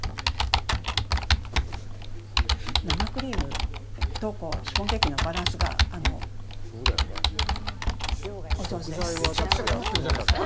生クリームとシフォンケーキのバランスがお上手です。